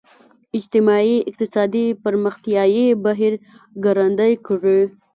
اجتماعي اقتصادي پرمختیايي بهیر ګړندی کړي.